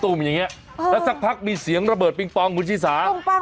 อย่างนี้แล้วสักพักมีเสียงระเบิดปิงปองคุณชิสา